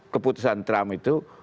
keputusan trump itu